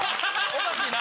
おかしいな。